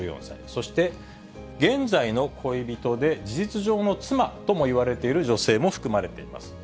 そして現在の恋人で、事実上の妻ともいわれている女性も含まれています。